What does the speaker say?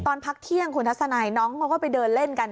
ตอนพักเที่ยงคุณทัศนัยน้องเขาก็ไปเดินเล่นกัน